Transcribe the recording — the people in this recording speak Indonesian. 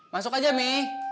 masuk aja mi